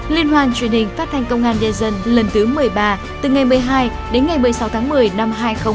liên hoàn truyền hình phát thanh công an nhân dân lần thứ một mươi ba từ ngày một mươi hai đến ngày một mươi sáu tháng một mươi năm hai nghìn hai mươi ba